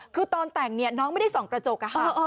คือตอนแต่งเนี่ยน้องไม่ได้ส่องกระจกอะค่ะ